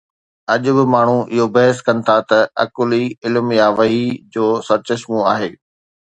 اڄ به ماڻهو اهو بحث ڪن ٿا ته عقل ئي علم يا وحي جو سرچشمو آهي.